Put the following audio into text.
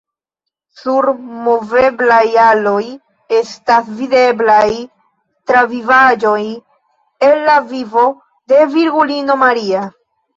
Sur moveblaj aloj estas videblaj travivaĵoj el la vivo de Virgulino Maria.